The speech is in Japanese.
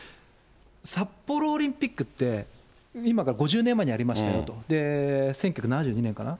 札幌オリンピックって、今から５０年前にやりましたよと、１９７２年かな？